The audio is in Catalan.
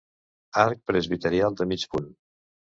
Arc presbiteral de mig punt.